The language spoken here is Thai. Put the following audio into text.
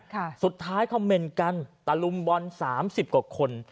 สุดท้ายคอมเมนต์กันตะลุมบอลสามสิบกว่าคน